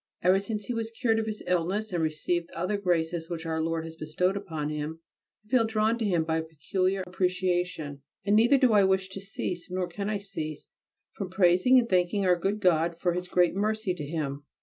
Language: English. Ever since he was cured of his illness and received the other graces which Our Lord has bestowed upon him I feel drawn to him by a peculiar appreciation: and neither do I wish to cease, nor can I cease, from praising and thanking our good God for His great mercy to him.